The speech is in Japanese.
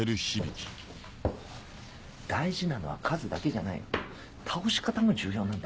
大事なのは数だけじゃない倒し方も重要なんだ。